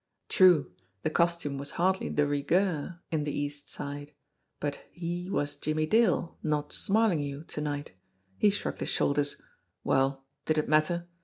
True, the costume was hardly de rigueur in the East Side, but he was Jimmie Dale, not Smarlinghue, to night. He shrugged his shoulders. Well, did it matter?